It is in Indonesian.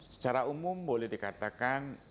secara umum boleh dikatakan